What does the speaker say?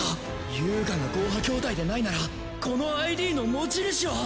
遊我がゴーハ兄弟でないならこの ＩＤ の持ち主は